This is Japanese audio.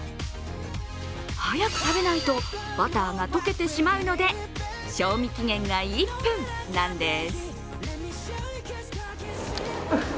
早く食べないとバターが溶けてしまうので、賞味期限が１分なんです。